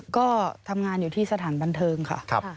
ก็ทำงานอยู่ที่สถานบันเทิงค่ะ